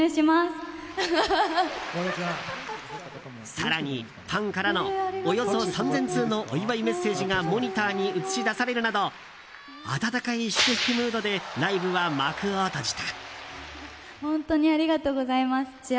更に、ファンからのおよそ３０００通のお祝いメッセージがモニターに映し出されるなど温かい祝福ムードでライブは幕を閉じた。